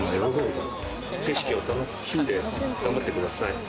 景色を楽しんで頑張ってください。